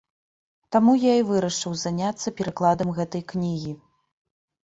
Таму я і вырашыў заняцца перакладам гэтай кнігі.